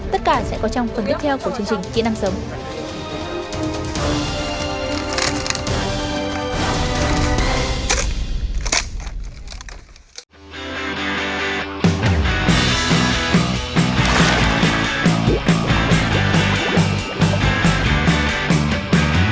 tất cả sẽ có trong phần tiếp theo của chương trình kỹ năng sống